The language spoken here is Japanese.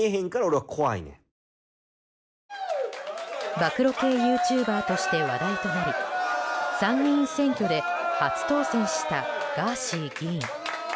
暴露系ユーチューバーとして話題となり参議院選挙で初当選したガーシー議員。